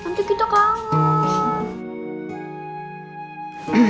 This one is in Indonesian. nanti kita kangen